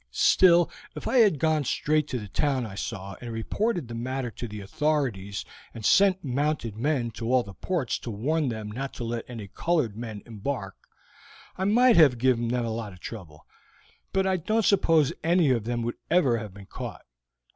Still, if I had gone straight to the town I saw and reported the matter to the authorities and sent mounted men to all the ports to warn them not to let any colored men embark, I might have given them a lot of trouble, but I don't suppose any of them would ever have been caught.